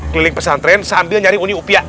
keliling pesantren sambil nyari uni upiah